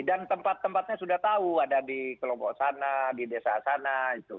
dan tempat tempatnya sudah tahu ada di kelompok sana di desa sana